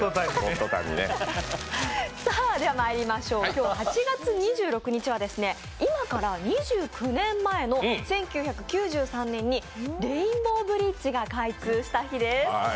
今日の８月２９日は今から２９年前の１９９３年にレインボーブリッジが開通した日です。